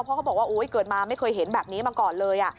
เพราะเขาบอกว่าเกิดมาไม่เคยเห็นแบบนี้มาก่อนเลย